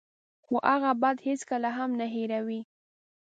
خو هغه بد هېڅکله هم نه هیروي.